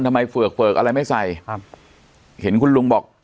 เฝือกเฝือกอะไรไม่ใส่ครับเห็นคุณลุงบอก